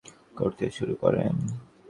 তিনি দেশাত্মবোধক নাটক রচনা করতে শুরু করেন।